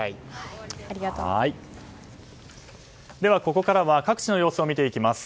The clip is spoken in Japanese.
ここからは各地の様子を見ていきます。